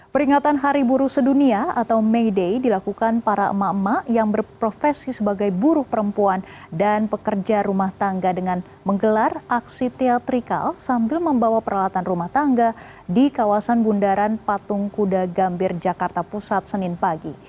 peringatan hari buruh sedunia atau may day dilakukan para emak emak yang berprofesi sebagai buruh perempuan dan pekerja rumah tangga dengan menggelar aksi teatrikal sambil membawa peralatan rumah tangga di kawasan bundaran patung kuda gambir jakarta pusat senin pagi